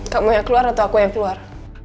kamu yang keluar atau aku yang keluar